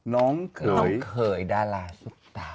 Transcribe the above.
น้องเคยดาราซุปตา